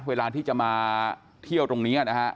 เวลาที่จะมาเที่ยวตรงนี้นะฮะ